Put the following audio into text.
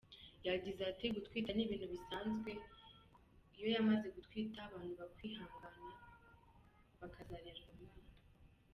Yagize ati “Gutwita ni ibintu bisanzwe, yo yamaze gutwita abantu bakwihangana bakazarera uwo mwana.